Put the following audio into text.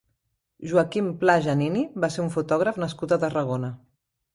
Joaquim Pla Janini va ser un fotògraf nascut a Tarragona.